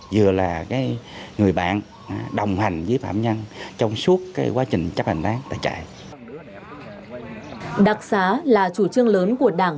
vừa là người bạn đồng hành với phạm nhân trong suốt quá trình chấp hành đáng tại trại